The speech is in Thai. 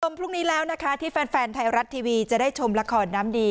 พรุ่งนี้แล้วนะคะที่แฟนแฟนไทยรัฐทีวีจะได้ชมละครน้ำดี